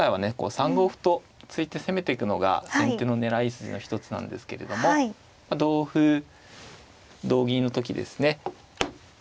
３五歩と突いて攻めていくのが先手の狙い筋の一つなんですけれども同歩同銀の時ですね